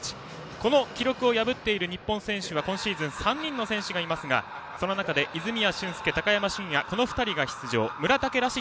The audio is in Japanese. この記録を破っている日本選手は今シーズン３人の選手がいますがその中で泉谷駿介などの選手が出場。